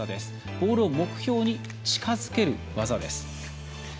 ボールを目標に近づける技です。